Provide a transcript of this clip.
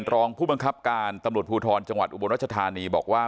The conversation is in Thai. รองผู้บังคับการตำรวจภูทรจังหวัดอุบลรัชธานีบอกว่า